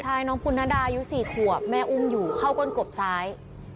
ใช่น้องพุนธดายุ๔ขวบแม่อุ้มอยู่เข้าก้นกบซ้าย